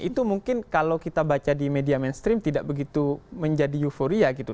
itu mungkin kalau kita baca di media mainstream tidak begitu menjadi euforia gitu